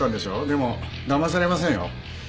でもだまされませんよ。